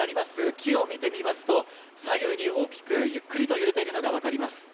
木を見てみますと、左右に大きくゆっくりと揺れているのがわかります。